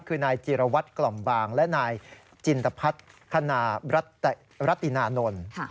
คือนายจีรวัตรกล่อมบางและนายจินตพัฒนารัตนานนท์